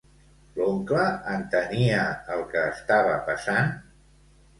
L'oncle entenia el que estava passant?